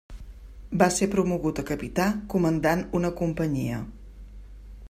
Va ser promogut a capità comandant una companyia.